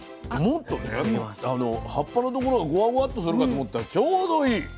もっとね葉っぱのところがゴワゴワッとするかと思ったらちょうどいい。